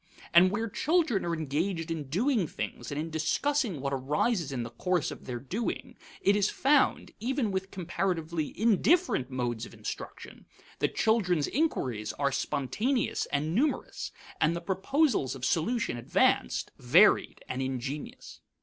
And where children are engaged in doing things and in discussing what arises in the course of their doing, it is found, even with comparatively indifferent modes of instruction, that children's inquiries are spontaneous and numerous, and the proposals of solution advanced, varied, and ingenious.